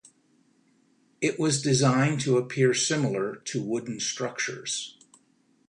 It was designed to appear similar to wooden structures.